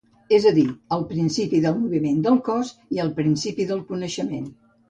És a dir, el principi del moviment del cos i el principi del coneixement.